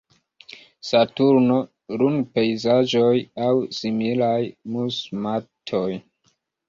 Saturno, lunpejzaĝoj, aŭ similaj mus-matoj.